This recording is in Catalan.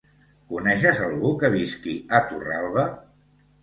Coneixes algú que visqui a Torralba?